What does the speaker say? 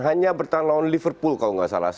hanya bertahan lawan liverpool kalau nggak salah